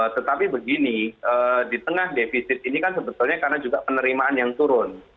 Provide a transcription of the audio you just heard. tetapi begini di tengah defisit ini kan sebetulnya karena juga penerimaan yang turun